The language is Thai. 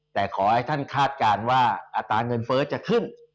แต่ขอให้ท่านคาดการณ์ว่าอัตราเงินเฟ้อจะขึ้น